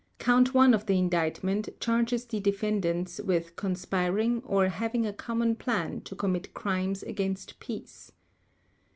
Count One of the Indictment charges the defendants with conspiring or having a common plan to commit crimes against peace.